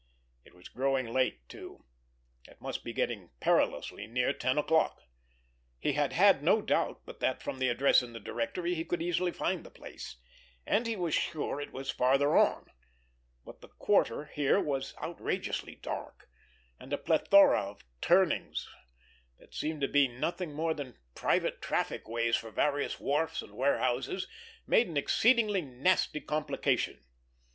It was growing late, too; it must be getting perilously near ten o'clock. He had had no doubt but that, from the address in the directory, he could easily find the place, and he was still sure it was farther on; but the quarter here was outrageously dark, and a plethora of turnings, that seemed to be nothing more than private trafficways for various wharfs and warehouses, made an exceedingly nasty complication.